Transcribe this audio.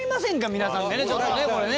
皆さんでね